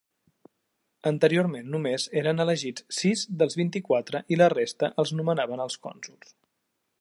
Anteriorment només eren elegits sis dels vint-i-quatre i la resta els nomenaven els cònsols.